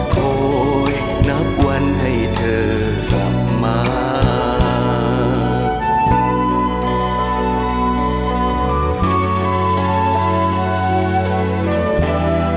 คอยนับวันให้เธอกลับมา